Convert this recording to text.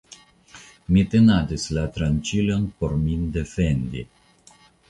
Mi tenadis la tranĉilon por min defendi.